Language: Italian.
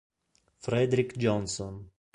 Fredric Jonson